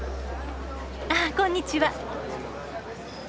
あこんにちは。